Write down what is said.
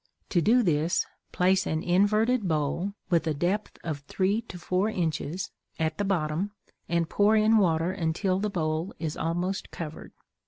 To do this place an inverted bowl, with a depth of three to four inches, at the bottom, and pour in water until the bowl is almost covered.